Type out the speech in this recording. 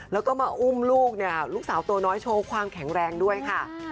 แล้วก็มาอุ้มลูกเนี่ยลูกสาวตัวน้อยโชว์ความแข็งแรงด้วยค่ะ